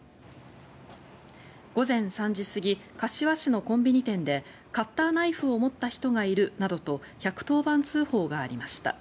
午前３時過ぎ柏市のコンビニ店でカッターナイフを持った人がいるなどと１１０番通報がありました。